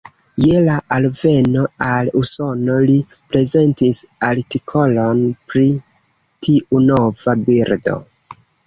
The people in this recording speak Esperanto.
Je la alveno al Usono li prezentis artikolon pri tiu nova birdo.